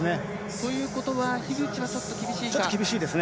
ということは樋口はちょっと厳しいですね。